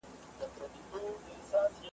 د چا غوڅیږي پښې او لاسونه `